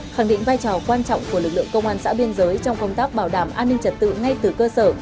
khẳng định vai trò quan trọng của lực lượng công an xã biên giới trong công tác bảo đảm an ninh trật tự ngay từ cơ sở